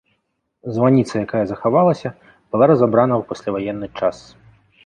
Званіца, якая захавалася, была разабрана ў пасляваенны час.